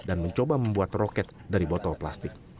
dan mencoba membuat roket dari botol plastik